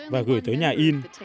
và gửi tới nhà in